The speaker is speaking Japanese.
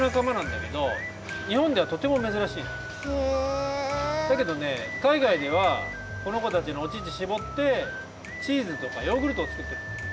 だけどねかいがいではこのこたちのお乳しぼってチーズとかヨーグルトを作ってるんだよ。